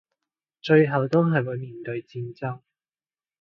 最後都係會面對戰爭